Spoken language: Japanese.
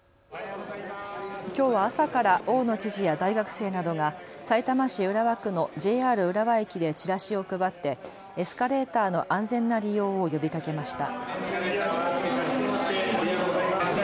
きょうは朝から大野知事や大学生などがさいたま市浦和区のＪＲ浦和駅でチラシを配ってエスカレーターの安全な利用を呼びかけました。